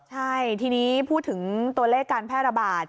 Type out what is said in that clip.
ใช่ทีนี้พูดถึงตัวเลขการแพร่ระบาด